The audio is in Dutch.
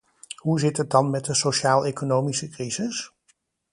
Hoe zit het dan met de sociaal-economische crisis?